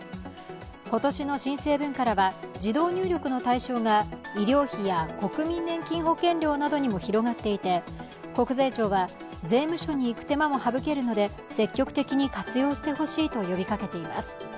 今年の申請分からは自動入力の対象が医療費や国民年金保険料などにも広がっていて国税庁は、税務署に行く手間も省けるので積極的に活用してほしいと呼びかけています。